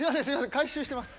回収してます。